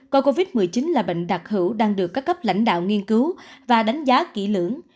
coi covid một mươi chín là bệnh đặc hữu đang được các cấp lãnh đạo nghiên cứu và đánh giá kỹ lưỡng